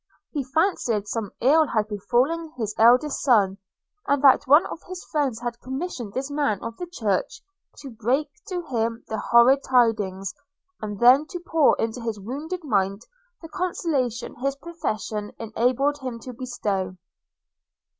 He fancied some ill had befallen his eldest son, and that one of his friends had commissioned this man of the church to break to him the horrid tidings; and then to pour into his wounded mind the consolation his profession enabled him to bestow.